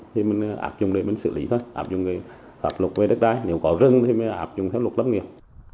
thì mình ạp dùng để mình xử lý thôi ạp dùng cái lục về đất đai nếu có rừng thì mới ạp dùng theo lục lấp nghiệp